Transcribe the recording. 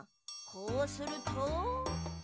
こうすると。